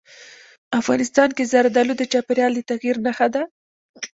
افغانستان کې زردالو د چاپېریال د تغیر نښه ده.